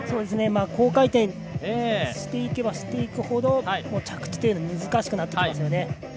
高回転していけばしていくほど着地というのが難しくなってきますよね。